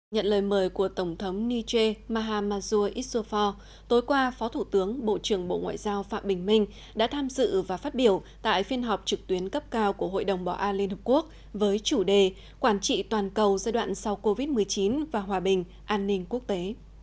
nhận lời mời của tổng thống niche mahamadou issofor tối qua phó thủ tướng bộ trưởng bộ ngoại giao phạm bình minh đã tham dự và phát biểu tại phiên họp trực tuyến cấp cao của hội đồng bảo an liên hợp quốc với chủ đề quản trị toàn cầu giai đoạn sau covid một mươi chín và hòa bình an ninh quốc tế